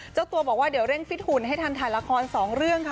เจ้าตัวบอกว่าเดี๋ยวเร่งฟิตหุ่นให้ทันถ่ายละคร๒เรื่องค่ะ